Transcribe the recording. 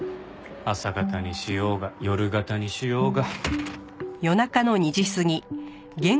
朝型にしようが夜型にしようが。